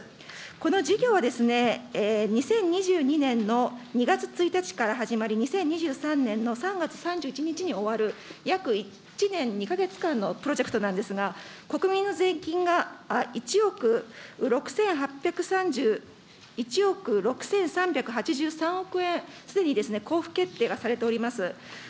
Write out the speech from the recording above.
この事業、２０２２年の２月１日から始まり、２０２３年の３月３１日に終わる、約１年２か月間のプロジェクトなんですが、国民の税金が１億億円、すでに交付決定がされております。